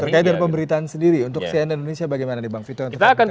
terkait dengan pemberitaan sendiri untuk cnn indonesia bagaimana nih bang vito